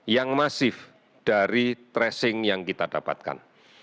yang masif dari tracing yang kita dapatkan